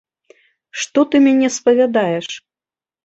Што ты мяне спавядаеш?